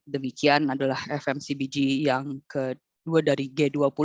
demikian adalah fmcbg yang kedua dari g dua puluh